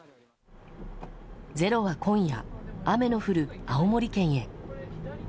「ｚｅｒｏ」は今夜雨の降る青森県へ。